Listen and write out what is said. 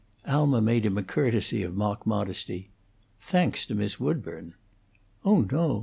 Alma made him a courtesy of mock modesty. "Thanks to Miss Woodburn!" "Oh no!